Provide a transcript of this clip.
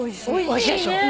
おいしいでしょ。